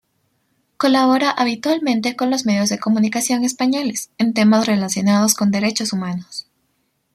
Colabora habitualmente con los medios de comunicación españoles en temas relacionados con derechos humanos.